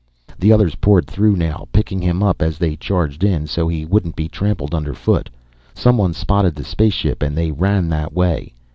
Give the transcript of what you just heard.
The others poured through now, picking him up as they charged in so he wouldn't be trampled underfoot. Someone spotted the spaceship and they ran that way.